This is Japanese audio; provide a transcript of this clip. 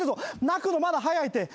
泣くのまだ早いて。